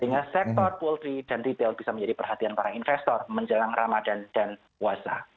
sehingga sektor poultry dan retail bisa menjadi perhatian para investor menjelang ramadhan dan wasa